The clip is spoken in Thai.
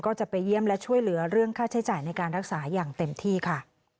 ก็จะไปเยี่ยมและช่วยเหลือเรื่องค่าใช้จ่ายในการรักษาอย่างเต็มที่ค่ะ